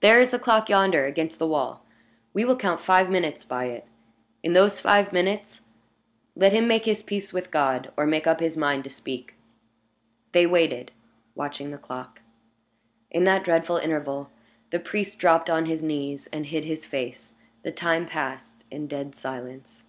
"There is the clock yonder, against the wall. We will count five minutes by it. In those five minutes, let him make his peace with God, or make up his mind to speak." They waited, watching the clock. In that dreadful interval, the priest dropped on his knees and hid his face. The time passed in dead silence.